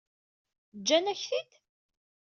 Ǧǧan-ak-t-id?